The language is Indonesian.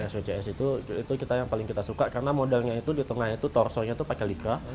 swcs itu yang paling kita suka karena modalnya itu di tengah itu torsonya itu pakai lika